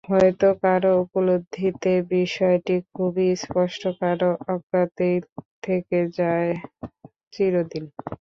হয়তো কারও উপলব্ধিতে বিষয়টি খুবই স্পষ্ট, কারও অজ্ঞাতেই থেকে যায় চিরদিন।